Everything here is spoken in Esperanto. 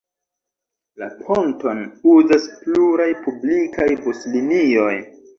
La ponton uzas pluraj publikaj buslinioj.